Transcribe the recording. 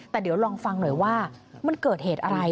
แต่เดี๋ยวลองฟังหน่อยว่ามันเกิดเหตุอะไร